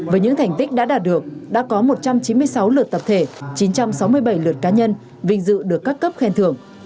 với những thành tích đã đạt được đã có một trăm chín mươi sáu lượt tập thể chín trăm sáu mươi bảy lượt cá nhân vinh dự được các cấp khen thưởng